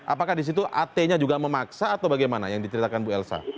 apakah di situ at nya juga memaksa atau bagaimana yang diceritakan bu elsa